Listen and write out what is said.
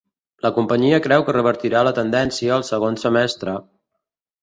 La companyia creu que revertirà la tendència el segon semestre